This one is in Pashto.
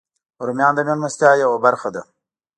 رومیان د میلمستیا یوه برخه ده